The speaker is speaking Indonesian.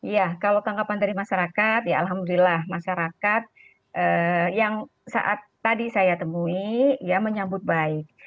ya kalau tanggapan dari masyarakat ya alhamdulillah masyarakat yang saat tadi saya temui ya menyambut baik